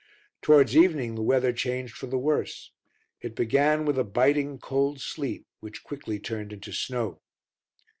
Towards evening the weather changed for the worse. It began with a biting cold sleet, which quickly turned into snow.